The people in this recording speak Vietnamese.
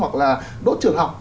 hoặc là đốt trường học